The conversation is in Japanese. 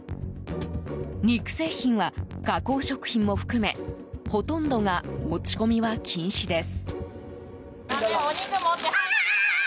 肉製品は加工食品も含めほとんどが持ち込みは禁止です。